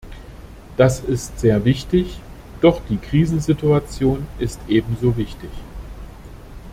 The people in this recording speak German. Das ist sehr wichtig, doch die Krisensituation ist ebenso wichtig.